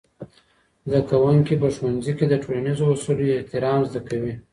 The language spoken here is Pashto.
زدهکوونکي په ښوونځي کي د ټولنیزو اصولو احترام زده کوي.